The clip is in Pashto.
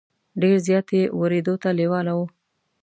ډېر زیات یې ورېدو ته لېواله وو.